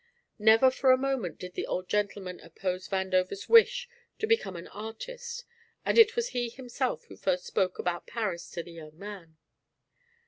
Never for a moment did the Old Gentleman oppose Vandover's wish to become an artist and it was he himself who first spoke about Paris to the young man.